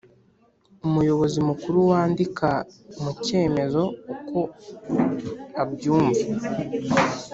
Umuyobozi Mukuru yandika mu cyemezo uko abyumva